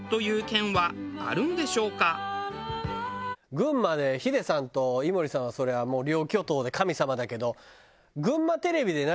群馬でヒデさんと井森さんはそりゃもう両巨頭で神様だけど。